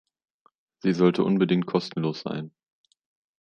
Sie sollte unbedingt kostenlos sein.